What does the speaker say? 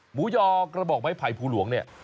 หมูยอกระบอกไม้ไผ่ภูหลวง